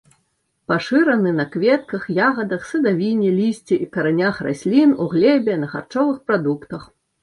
Пашыраны на кветках, ягадах, садавіне, лісці і каранях раслін, у глебе, на харчовых прадуктах.